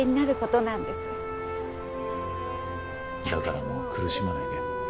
「だからもう苦しまないで」。